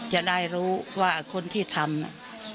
จะได้รู้ว่าคนที่ทำน่ะ